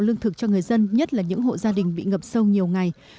lương thực cho người dân nhất là những hộ gia đình bị ngập sâu nhiều ngày